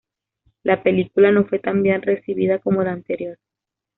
La película no fue tan bien recibida como la anterior.